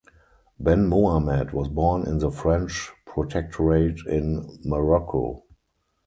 Ben Mohammed was born in the French Protectorate in Morocco.